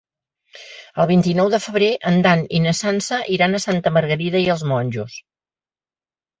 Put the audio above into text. El vint-i-nou de febrer en Dan i na Sança iran a Santa Margarida i els Monjos.